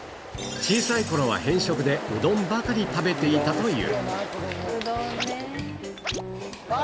小さいころは偏食で、うどんばかり食べていたという。